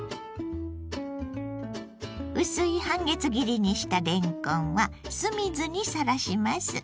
薄い半月切りにしたれんこんは酢水にさらします。